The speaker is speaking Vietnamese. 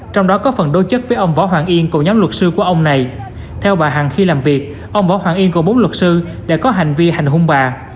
trong đó có phần đối chất với ông võ hoàng yên cùng nhóm luật sư của ông này theo bà hằng khi làm việc ông võ hoàng yên cùng bốn luật sư đã có hành vi hành hung bà